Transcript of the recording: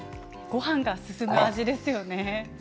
ごはんが進む味ですよね。